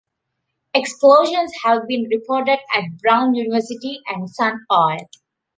Explosions have been reported at Brown University and Sun Oil.